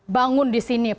bangun di sini